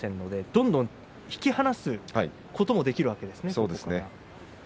どんどん引き離すこともできますね。